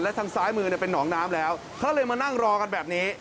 และทางซ้ายมือเนี่ยเป็นหนองน้ำแล้วเขาเลยมานั่งรอกันแบบนี้